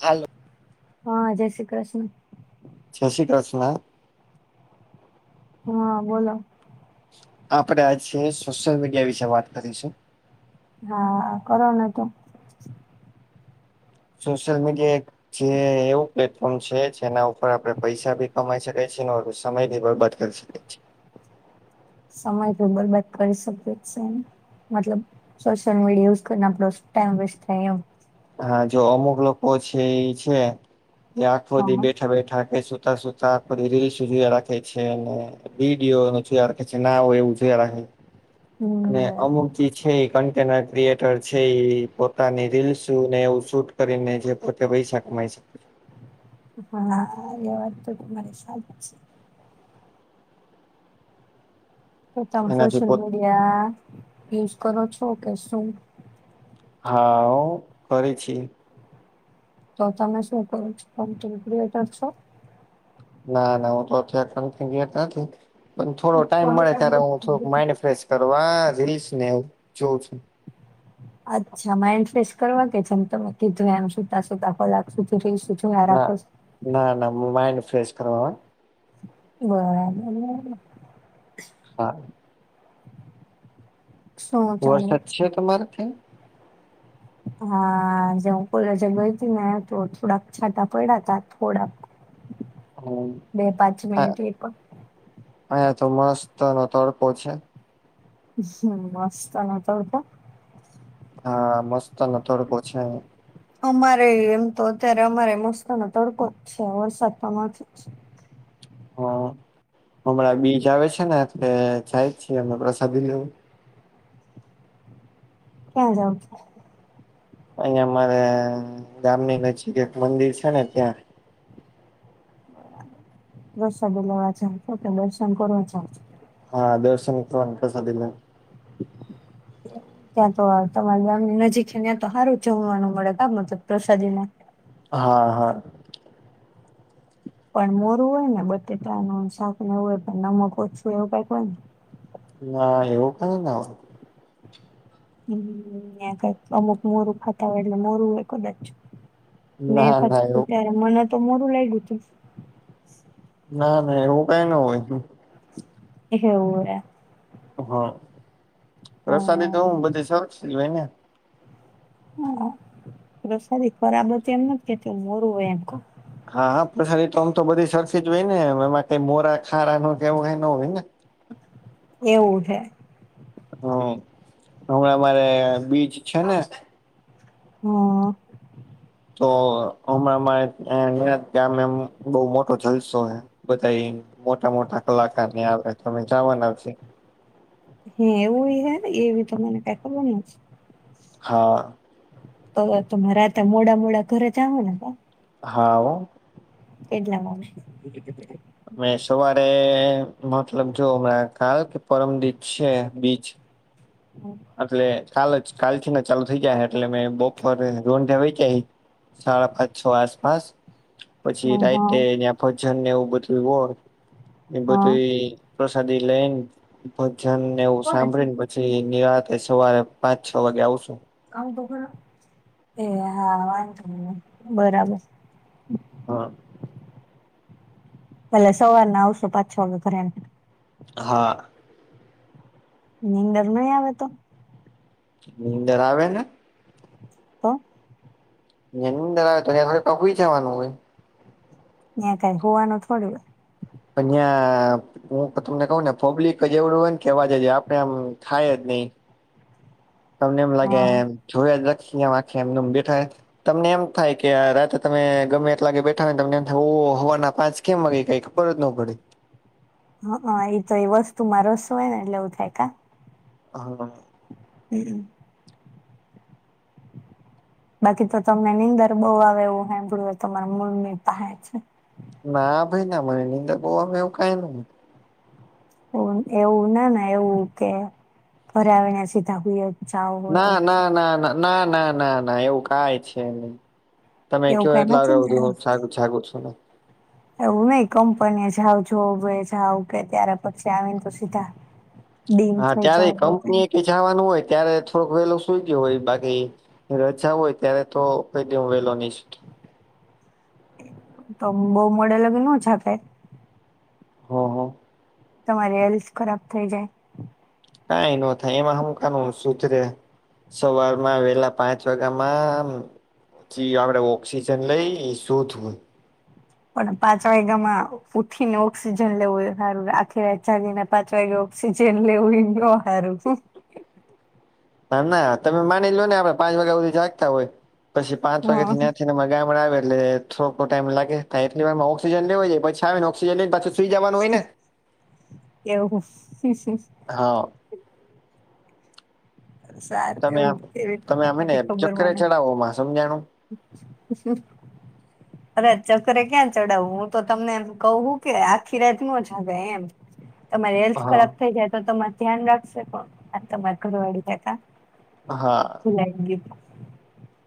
હાલ હા જય શ્રી કૃષ્ણ જય શ્રી કૃષ્ણ હા બોલો આપડે આજે સોશિયલ મીડિયા વિશે વાત કરીશું હા કરોને તો સોશિયલ મીડિયા એક જે એવું પ્લેટફોર્મ છે. જેના ઉપર આપડે પૈસા ભી કમાઈ શકીએ છીએ સમય બદલાઈ ત શ છે [unintelligible] સમય તો બરબક કરી શકે છે. એને મતલબ સોશિયલ મીડિયા યુઝ કરીને આપણો ટાઈમ વેસ્ટ થાય એમ હા જો અમુક લોકો છે. એ છે. એ આખો દી હા બેઠા બેઠા કે સુતા સુતા રીલ સુધી રાખે છે. અને વિડીયો ન જોખે છે. નાવ એવું જોયા રાખે. હમ [unintelligible] ને અમુકજી છે એ કન્ટેન્ટ ક્રિએટર છે. એ પોતાની રીલ્સ ને એવું શૂટ કરીને જે પોતે પૈસા કમાઈ શકે છે. હા એ વાત તો તમારી સાચ છે. તો તમે એનાથી સોશિયલ પો મીડિયા યુઝ કરો છો કે શું હા કરી છે તો તમે શું કરો છો. છો ના ના હું તો ગ નથી પણ થોડો ટાઈમ મળે ત્યારે હું થોડક માઈન્ડ ફેશ કરવા રીલસ ને હું જોઉં છું. અચ્છા માઇન્ડ ફ્રેશ કરવા કે છેમ તમે કીધું એમ સુતા સુતાા કલાક સુધી રહીશું ના ના ના માઇન્ડ ફ્રેશ કરવા બરાબર ને હા શું ચાલે? વરસાદ છે. તમારે ત્યાં હા જે કોલા જ ગરથી ના તો થોડાક છાંટા પડયા હતા. થોડાક [inaudible] હમ બે પાંચ મિનિટ એ પણ અહયા તો મસ્તનો તડકો છે. હ મસ્ત નો તડકો હા મસ્તને થોડ પછ અમારે એમ તો અત્યારે અમારે મસ્કોનોો તડકો જ છે વરસાદમાંથી હા હમણાં બીજ આવે છે ને જાય છેી અ પ્રસાદી લેવું કે જ અહિયાં અમારે ગામની નજીક એક મંદિર છે ને ત્યાં રસ્ બોલાવા છે છો દર્શન કર છ હા દર્શન વાર ત્યાં તો તમારી ગામની નજીક છે ત્યાં તો સારું જમવાનું મળે કામ મતલબ પ્રસાદી ના હા હા પણ મોરું હોય ને બટેટાનું શાક વું હોય પણ નમક ઓછું એવું કઈક હોય ને ના એવું કઈને હમ અમુક મોરું ખાતા હોય એટલે મોરું હોયદાચ મેં ના ફત ના એવું ત્યારે મને તો મોડું લઈ ગય હતું ના ના એવું કઈ ન હોય એવું હા પ્રસાદી તો હું હા બધી સર હોય ને હા સારી ખરાબર છે એમ નથી કેતી મોરું હોય એમ હા હા પછરી તો આમ તો બધી સરખી જ હોય ને એમ એમાં કઈ મોરા ખારા ન કેવું ક હોય ને એવું છે હમ હમણાં મારે બીચ છે ને હમ તો હમણાંમાં અ ગમે એમ બહુ મોટો જલસો હ બધા એ મોટા મોટા કલાકાર ને આવે તો અમે જવાના છ હ એવ હે એવી તો મને ક બો હા તો તમારા ત મોડા મોડા ઘરે જ આવો ને હા એટલા મને અ સવારે મતલબ જો હમણાં ખાલ કે પરમ દચ છે બીચ હમ એટલે કાલ જ કાલથી ના ચાલુ થઈ ગયા હ એટલે મે બપર રો વ્યા સાડા પાંચ છો આસપાસ પછી હા રાતે તં ભજનને એવું બધું હો એ હા બધું પ્રસાદી લઈને ભજનને એવું કોને સાંભળીને પછી નિરાત એ સવારે પાંચ છ વાગે આવશું ક તો ખ એ હા વાંધો મને બરાબર હા ભલે સવાર ના આવશો પાંચ છ વાગે ઘરેને હા નિની અંદર નહી આવે તો ની અંદર આવે ને તો ની અંદર આવે તો ત થોડી કકઈ જવાનું હોય ત્યાં કઈ હોવાનું થોડું પ ્યા હું તમને કઉ ને પબ્લિક જ એવડું હોય ને કેહેવા આપડે આમ થાય જ નહી તમને એમ લાગે હા એમ જોખીખે એમ બેઠાય તમને એમ થાય કે રાતે તમે ગમે એટલાગે બેઠા હોયને તમને એમ થાય હોવાના પાંચ કેગે કઈ પરત ન પડે હ હા એ તો એ વસ્તુ મારો શું હોય ને એટલે એવું થાય કા હા હમ બાકી તો તમને નીંદર બઉ આવે એવું સાંભળું એ તમારા મૂળ ની પહે છે ના ભાઈ ના મને નિંદા ગોવામાં એવું કઈ ન એવું ના ના એવું કે ફરવેને સીધાય ના ના ના ના ના ના ના ના એવું કઈ છે નહી તમે એવું કયો કઈ નથી એટલાગળ બધી હું ને છું ને એવું નઈ કંપની જાાવ જોબ જાાવ કે ત્યારે પછી આવીને ત સીધા ડીમ હા થઈ ત્યારે જાવ એવું કંપની એ કઈ ક જવાનું હોય ત્યારે થોડુંક વેલું સુઈ ગયું હોય બાકી રજા હોય ત્યારે તો કઈ દે વેલો નઈ તો બહુ મોડે લગી ન જાગાય હા હા તમારી હેલ્થ ખરાબ થઈ જાય કંઈ ન થાય એમાં હું કનું સુધરેે સવારમાં વેલા પાંચ વાગ્યામાંમ આપડે ઓક્સિજન લઈ શોધ હોય પણ પાંચ વાયગામાં ઉઠી ને ઓક્સિજન લેવું સારું આખી વા જાગીને પાંચ વાગે ઓક્સિજન લેવું હોય ન સારું ના ના તમે માની લો ને આપણે પાંચ વાગ્યા સુધી જાગતા હોય પછી પાંચ વાગ્યા હા થી ત્યાં ને મગામણા આવે એટલે થોકો ટાઈમ લે એલી વાર ઓક્સજન લેવાઈાય પછી ઓક્સજન પછી એવું હું હું હા સારું એ તમે આમ કેવી તમે આમ હેને ખબર ચક્કરે મને ચડાવો માં સમજાણું અછ અરે ચકરે ક્યાં ચડાવું હું તો તમનેમ કહ કે આખી રાત ન જાગ એમ [inaudible] તમારી હેલ્થ હા ખરાબ થઈ જાય તો તમાર ધ્યાન રાખશે કોણ આ તમારે ઘર વાળી જતા. હા. [unintelligible]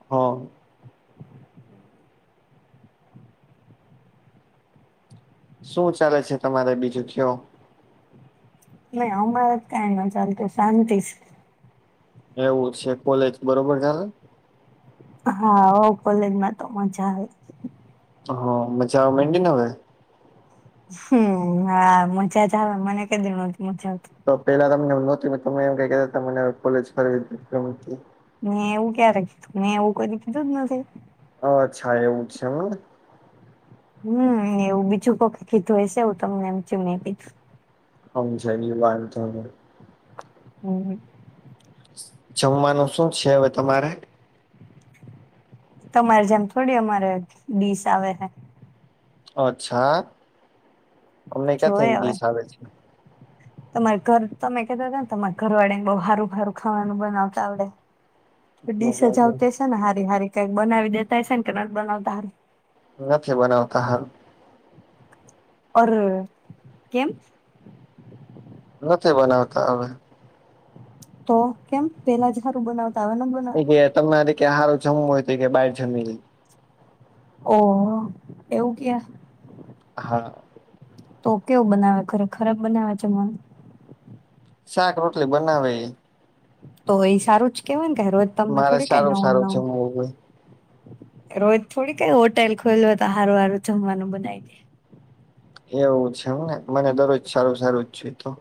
હા શું ચાલે છે તમારે બીજું કયો નહી અમારા જ કં ન ચાલતું શાંતિ જ એવું છે કોલેજ બરોબર ચાલે હા કોલેજમાં તો મજા આવે હ મજા મંડીને હવે હમ હ મોચા ચા મને કે ન મોચ્યાત તો પેલા તમને નહોતી તમે એમ ક કે મ કોજ ફ મેં એવું ક્યારે કીધું મેં એવું કઈ કીધું જ નથી અચ્છા એવું જ છે હમ એવું બીજું કોક કીધું હશેવું તમને એમ ચ મે કીધું હમ છે વાનું હમ જમવાનું શું છે હવે તમારે તમારે જેમ થોડી અમારે ડીસ આવે છેે અચ્છા અમને ક્યાં જોય થઈને હવે દિસ આવે છે તમારે ઘર તમે કતા હતા ને તમારે ઘરવાળ ને બ સારું ભારું ખાવાનું બનાવતા આવડે ડીશજ આવતી છે ને હારી હારી કઈક બનાવી દેતા હ છે ને કે નથી બનાવતા હારી નથી બનાવતા હ ઓ કેમ નથી બનાવતા હવે તો કેમ પેલા જ સારું બનાવતા આવેય બ એ કે તમનેરે કે સારો જમવો હોય તો કે બાર જમી ઓ એવું ક્યા. હા તો કેવું બનાવે ઘરે ખરાબ બનાવે છે મને. શાક રોટલી બનાવે. તો એ સારું જ કેવાય કે રોજ તમને મારે થોડી કઈ સારું નવું સારું છે નવું હું રોજ થોડી કઈ હોટેલ ખોલવે તો હારું હારું જમવાનું બનાવી દે. એવું છેમ ને મને દરરોજ સારું સારું જ જોઈ તો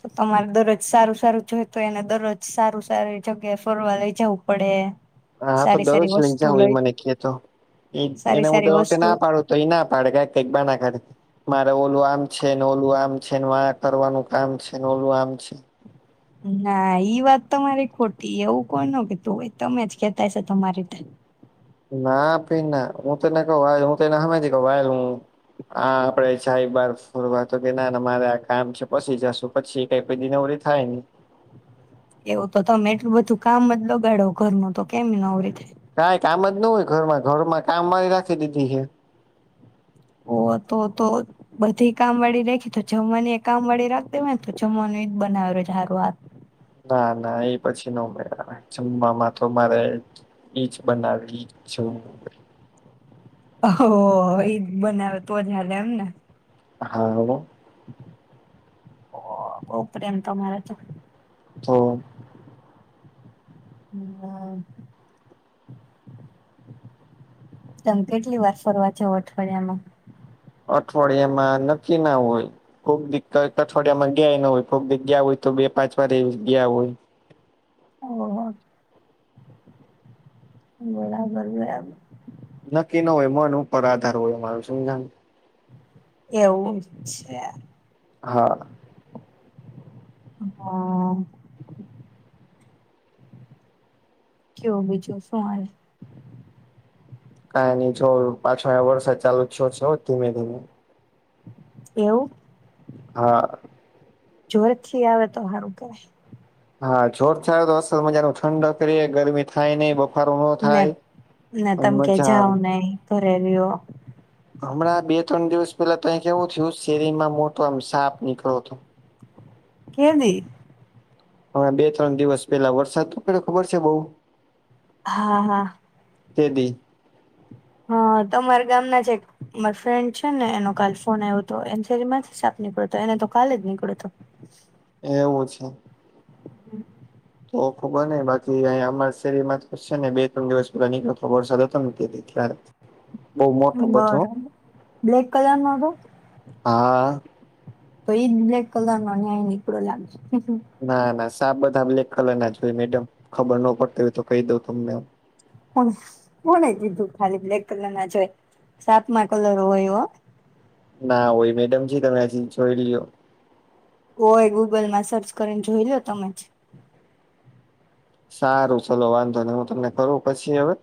તો તમારે દરરોજ સારું સારું જોય તો એને દરરોજ સારું સારી જગ્યાએ ફરવા લઈ જવું પડે. હા હા તો સારી દરરોજ સારી લઈ વસ્તુ જાઉ એ મને કે તો એને સારી હું દર સારી વખતે વસ્તુ ના પાડું. તઈ ના પાડે કંક કાઇ બહાના કાઢે. મારે ઓલું આમ છે ને ઓલું આમ છે આ કરવાનું કામ છે ને ઓલું આમ છે. ના ઈ વાત તમારી ખોટી એવું કોણ કે તું હોએ તમે જ કેહેતા છો તમારી રીતે. ના ભાઈ ના હું તો એને કહ્યું હું તો એને હામેથી કઉ. હા આપડે ચાઈ બાર ફોરવા તો કે ના મારે આ કામ છે પછી જશું. પછી કઈ ની પછી નવરી થાય ને એવું તો તમે એટલું બધું કામ જ બગાડો ઘરનું તો કેમ નવરી થાય. કઈ કામ જ ન હોય ઘરમાં ઘરમાં કામ વાળી રાખી દીધી છે. ઓ તો તો બધી કામ વાળી રેખી તો જમવાની કામ વાળી રાખ દે હોય ને તો જમવાનું એ બનાવે છેારું હા. ના ના એ પછી નો મેડ આવે જમવામાં તો મારે. ઈજ બનાવે ઇજ જમવું હોય. ઓ એ જ બનાવે તો જ હાલે એમને. હા હ ઓ બહુ પ્રેમ તમારે તો તો હમ તમે કેટલી વાર ફરવા જાવ અઠવાડિયામાં અઠવાડિયામાં નક્કી ના હોય. કોક દીક અઠવાડિયામાં ગયા ન હોય કોુક દીક ગયા હોય તો બે પાંચ વાર ગયા હોય‌. ઓહો બરાબર બરાબર. નક્કી ન હોય મન ઉપર આધાર હોય મારું સમજા. એવું છે. હા હા કયો બીજું સુ હાલ. કાય ની જો પાછો આયો વરસાત ચાલુ છો છો ધીમે ધીમે. એવું. હા જોર થી આવે તો હારું કરે. હા જોર થાર તો અસર મજા ન ઠંડ કરીએ ગરમી થાય નઈ. બફારો ન ને થાય ને અને તમ કે મજા આવે જાવ નહી ઘરે રેવો. હમણાં બે ત્રણ દિવસ પેલા ત કેવું થયું શેરીમાં મોટો આમ સાપ નીકળ્યો હતો. કેદી. હવે બે ત્રણ દિવસ પેલા વરસાદ નો પડયો ખબર છે બઉુ. હા હા તેદી હા તમારા ગામ ના જે મારે ફ્રેન્ડ છે ને એનો કાલ ફોન આવ્યો હતો એની શેરીમાં સાપ નીકળ્યોતો એને તો કાલે જ નીકળે હતો. એવું છે. હમ. તો ખબર નહ બાકી અ અમારા શેરીમાં છે ને બે ત્રણ દિવસ પેલા નીકળ્યોો વરસાદ હતો ની કે ત. બરા બ્લેક કલર ન તો. હા. તો એજ બ્લેક કલર નો ન્યાય નીકળો લાગશે. ના ના સા બધા બ્લેક કલર ના જોય મેડમ ખબર ન પડતી હોય તો કહી દઉં તમને. કોને કીધું ખાલી બ્લેક કલર ના જો હોય સાપમાં કલર હોય એ. ના હોય મેડમજી તમે હજી જોઈ લ્યો. હોય ગુગલમાં સર્ચ કરીને જોઈ લો તમે જ. સારું ચલો વાંધો ને હું તમને કરું પછી હવે.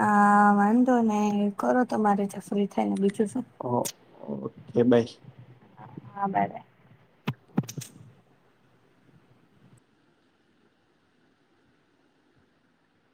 હા વાંધો ને કરો તો મારે જ ફ્રી થાય ને બીજું શું હ ઓકે બાય. હા બર.